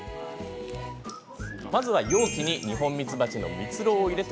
まず、容器にニホンミツバチの蜜ろうを入れ